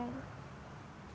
kemudian sesuai dengan kepercayaan